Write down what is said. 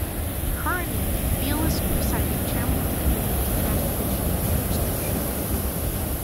Currently, Beale is presiding Chairman of the Committee on Transportation and Infrastructure.